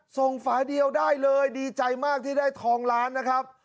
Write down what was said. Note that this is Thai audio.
ฝาเดียวได้เลยดีใจมากที่ได้ทองล้านนะครับ